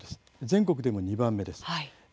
全国でも２番目です。